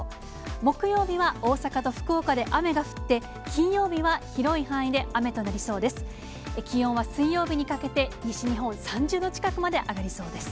木曜日は大阪と福岡で雨が降って、金曜日は広い範囲で雨となりそうです。